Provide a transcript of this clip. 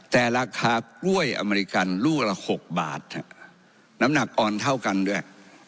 แต่ราคากล้วยอเมริกันลูกละ๖บาทน้ำหนักอ่อนเท่ากันด้วย